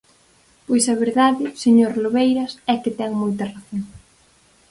Pois a verdade, señor Lobeiras, é que ten moita razón.